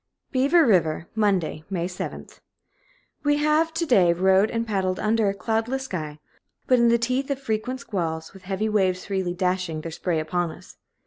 Beaver River, Monday, May 7th. We have to day rowed and paddled under a cloudless sky, but in the teeth of frequent squalls, with heavy waves freely dashing their spray upon us.